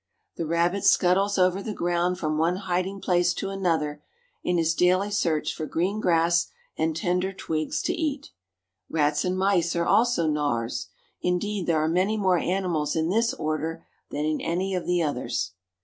The rabbit scuttles over the ground from one hiding place to another, in his daily search for green grass and tender twigs to eat. Rats and mice are also Gnawers. Indeed, there are many more animals in this Order than in any of the others.